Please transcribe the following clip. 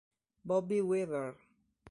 Bobby Weaver